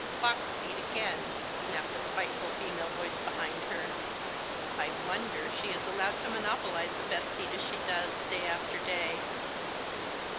" Box seat again !" snapped a spiteful female voice behind her. I wonder she is allowed to monopolize the best seat as she does, day after day